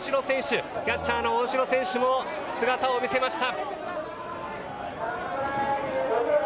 キャッチャーの大城選手も姿を見せました。